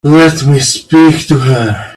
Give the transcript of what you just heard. Let me speak to her.